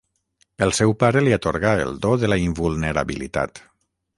El seu pare li atorgà el do de la invulnerabilitat.